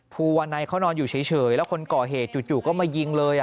ภูวานัยเขานอนอยู่เฉยแล้วคนก่อเหตุจู่ก็มายิงเลย